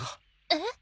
えっ。